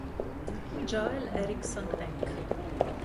Joel Eriksson Ek